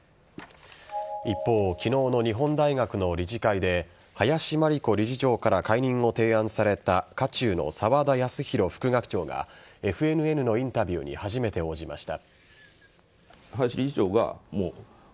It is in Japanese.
一方昨日の日本大学の理事会で林真理子理事長から解任を提案された渦中の沢田康広副学長がＦＮＮのインタビューに初めて応じました。